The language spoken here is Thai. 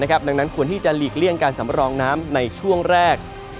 ดังนั้นควรที่จะหลีกเลี่ยงการสำรองน้ำในช่วงแรก